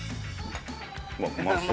うわっうまそう。